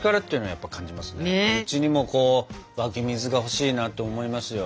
うちにもこう湧き水が欲しいなと思いますよ。